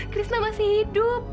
krisna masih hidup